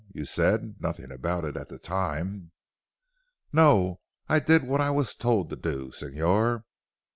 You said nothing about it at the time." "No. I did what I was told to do Signor.